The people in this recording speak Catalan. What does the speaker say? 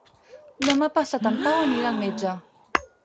Demà passat en Pau anirà al metge.